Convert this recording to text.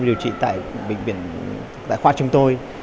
em điều trị tại bệnh viện tại khoa trung tôi